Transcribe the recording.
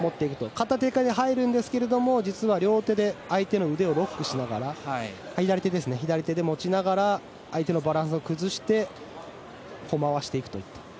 片手から入るんですが実は両手で相手の腕をロックしながら左手で持ちながら相手のバランスを崩して回していくと。